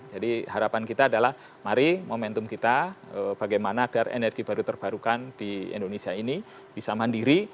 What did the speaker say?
jadi harapan kita adalah mari momentum kita bagaimana agar energi baru terbarukan di indonesia ini bisa mandiri